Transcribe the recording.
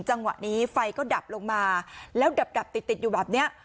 จังหวะนี้ไฟก็ดับลงมาแล้วดับติดติดอยู่แบบเนี้ย